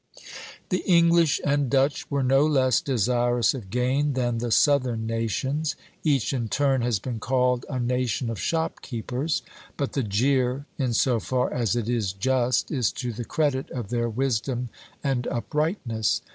The English and Dutch were no less desirous of gain than the southern nations. Each in turn has been called "a nation of shopkeepers;" but the jeer, in so far as it is just, is to the credit of their wisdom and uprightness.